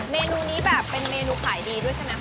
เมนูนี้แบบเป็นเมนูขายดีด้วยใช่ไหม